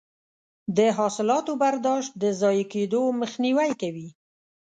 د حاصلاتو برداشت د ضایع کیدو مخنیوی کوي.